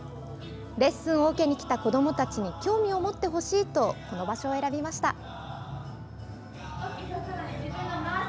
レッスンを受けに来た子どもたちに興味を持ってほしいとこの場所を選びました。